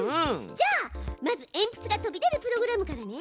じゃあまずえんぴつが飛び出るプログラムからね。